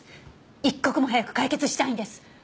一刻も早く解決したいんです。